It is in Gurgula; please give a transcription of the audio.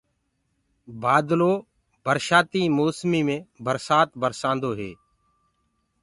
بآدلو برشآتيٚ موسميٚ مي برسآت برسآنٚدو هي